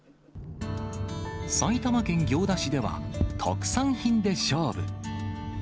埼玉県行田市では、特産品で勝負。